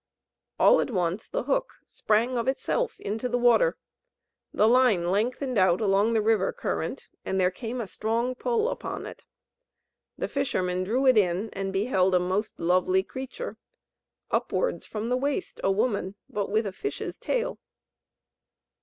All at once the hook sprang of itself into the water; the line lengthened out along the river current, and there came a strong pull upon it. The fisherman drew it in, and beheld a most lovely creature, upwards from the waist a woman, but with a fish's tail.